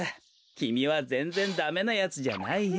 きみはぜんぜんダメなやつじゃないよ。